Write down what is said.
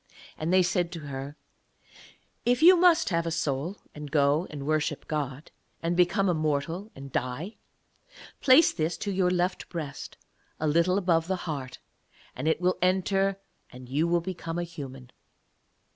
And they said to her: 'If you must have a soul and go and worship God, and become a mortal and die, place this to your left breast a little above the heart, and it will enter and you will become a human.